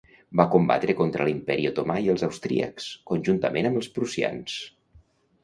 Va combatre contra l'Imperi Otomà i els austríacs, conjuntament amb els prussians.